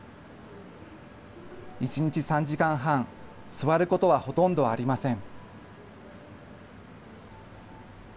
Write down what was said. １日３時間半、座ることはほとんどありません。